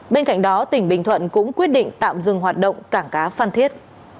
bên cạnh đó tỉnh bình thuận cũng quyết định tạm dừng hoạt động cảng cá phan thiết